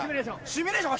シミュレーション？